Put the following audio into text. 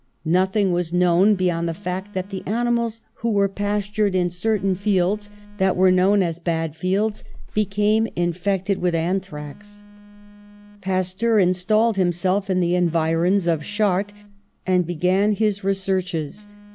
Nothing was known beyond the fact that the animals who were pastured in certain fields that were known as had fields became in fected with anthrax. Pasteur installed himself in the environs of Chartres and began his re searches.